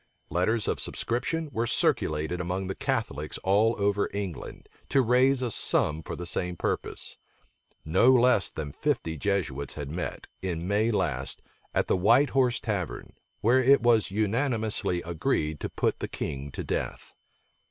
Letters of subscription were circulated among the Catholics all over England, to raise a sum for the same purpose. No less than fifty Jesuits had met, in May last, at the White Horse Tavern, where it was unanimously agreed to put the king to death.